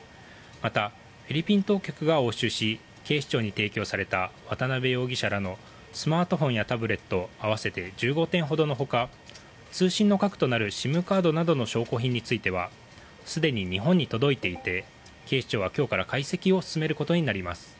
また、フィリピン当局が押収し警視庁に提供された渡邉容疑者らのスマートフォンやタブレット合わせて１５点ほどの通信の核となるＳＩＭカードなどの証拠品についてはすでに日本に届いていて警視庁は今日から解析を進めることになります。